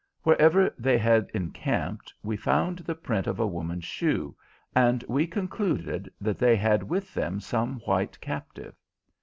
Wherever they had encamped we found the print of a woman's shoe, and we concluded that they had with them some white captive.